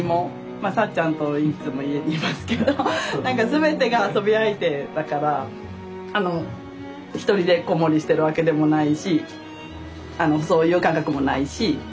まあさっちゃんといつも家にいますけどなんか全てが遊び相手だから１人で子守してるわけでもないしそういう感覚もないし。